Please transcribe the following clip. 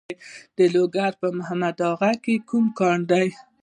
د لوګر په محمد اغه کې کوم کان دی؟